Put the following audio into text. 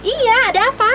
iya ada apa